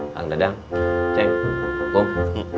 bang dadang ceng kum